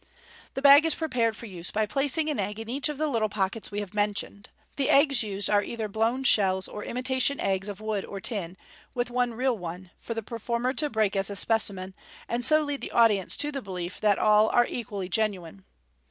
The bag is prepared for use by placing an egg in each of the little pockets we have mentioned. The eggs used are either blown shells or imitation eggs of wood or tin, with one real one for the performer to break as a specimen, and so lead the audience to the belief that all are equally genuine.